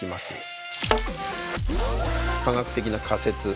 科学的な仮説。